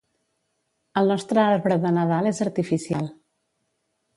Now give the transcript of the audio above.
El nostre arbre de Nadal és artificial.